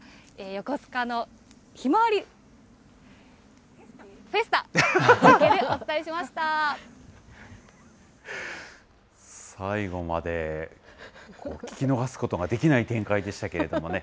横須賀のヒマワリフェスタからお最後まで、聞き逃すことができない展開でしたけれどもね。